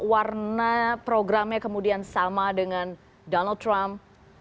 warna programnya kemudian sama dengan donald trump